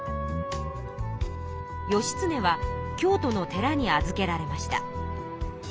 義経は京都の寺に預けられました。